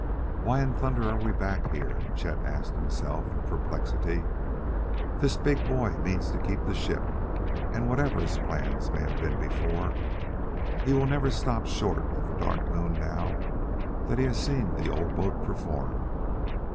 "Why in thunder are we back here?" Chet asked himself in perplexity. "This big boy means to keep the ship; and, whatever his plans may have been before, he will never stop short of the Dark Moon now that he has seen the old boat perform.